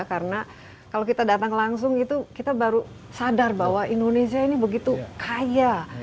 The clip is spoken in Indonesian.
karena kalau kita datang langsung itu kita baru sadar bahwa indonesia ini begitu kaya